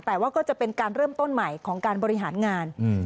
แต่ว่าก็จะเป็นการเริ่มต้นใหม่ของการบริหารงาน